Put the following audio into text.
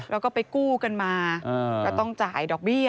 แล้วก็ไปกู้กันมาก็ต้องจ่ายดอกเบี้ย